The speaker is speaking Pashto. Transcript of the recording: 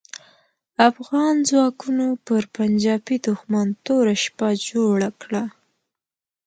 افغان ځواکونو پر پنجاپي دوښمن توره شپه جوړه کړه.